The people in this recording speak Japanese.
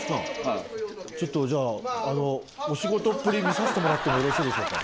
ちょっとじゃあお仕事っぷり見させてもらってもよろしいでしょうか？